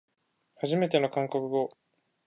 はじめての韓国語